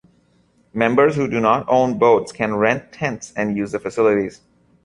Members who do not own boats can rent tents and use the facilities.